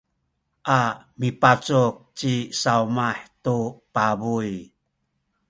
a mipacuk ci Sawmah tu pabuy.